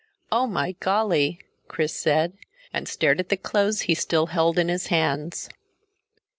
"Oh my golly!" Chris said, and stared at the clothes he still held in his hands.